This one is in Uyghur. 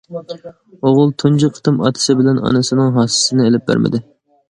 ئوغۇل تۇنجى قېتىم ئاتىسى بىلەن ئانىسىنىڭ ھاسىسىنى ئېلىپ بەرمىدى.